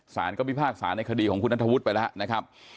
สารก็พิพากษาในคดีของคุณนัทธวุฒิไปแล้วนะครับ